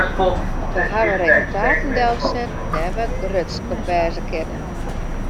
Wy hawwe resultaten delset dêr't wy grutsk op wêze kinne.